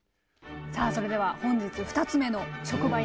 さあそれでは本日２つ目の職場